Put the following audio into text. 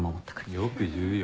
よく言うよ。